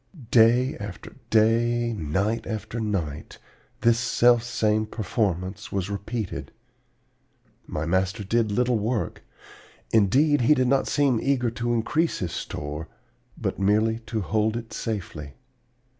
"Day after day, night after night, this selfsame performance was repeated. My master did little work; indeed, he did not seem eager to increase his store, but merely to hold it safely.